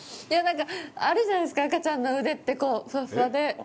いや、なんか、あるじゃないですか、赤ちゃんの腕って、こう、ふわふわで。